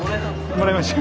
もらいました。